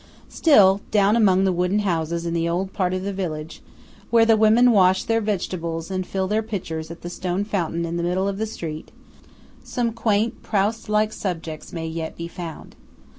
Still, down among the wooden houses in the old part of the village, where the women wash their vegetables and fill their pitchers at the stone fountain in the middle of the street, some quaint Prout like subjects may yet be found.